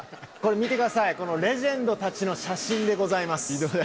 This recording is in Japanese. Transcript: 見てくださいレジェンドたちの写真でございます。